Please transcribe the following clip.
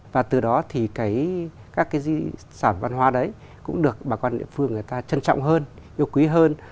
và từ đó thì các cái di sản văn hóa đấy cũng được bà con địa phương người ta trân trọng hơn yêu quý hơn